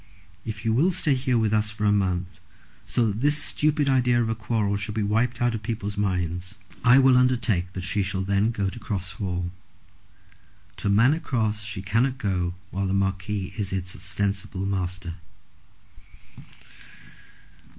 If you will stay here with us for a month, so that this stupid idea of a quarrel shall be wiped out of people's minds, I will undertake that she shall then go to Cross Hall. To Manor Cross she cannot go while the Marquis is its ostensible master."